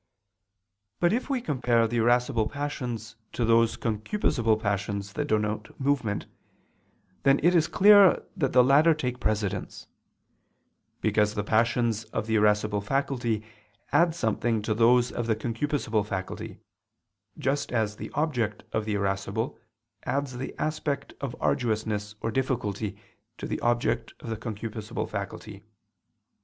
But if we compare the irascible passions to those concupiscible passions that denote movement, then it is clear that the latter take precedence: because the passions of the irascible faculty add something to those of the concupiscible faculty; just as the object of the irascible adds the aspect of arduousness or difficulty to the object of the concupiscible faculty.